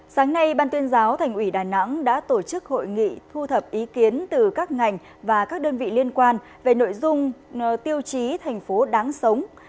sáng nay ban tuyên giáo thành ủy đà nẵng đã tổ chức hội nghị thu thập ý kiến từ các ngành và các đơn vị liên quan về nội dung tiêu chí thành phố đáng sống